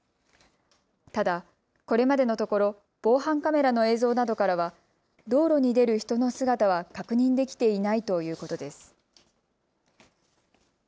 ただ、これまでのところ防犯カメラの映像などからは道路に出る人の姿は確認できていないということです。